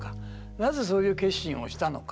なぜそういう決心をしたのか。